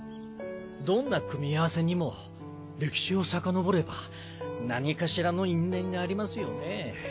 どんな組み合わせにも歴史をさかのぼれば何かしらの因縁がありますよね。